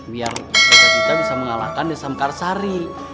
biar kita bisa mengalahkan desam karsari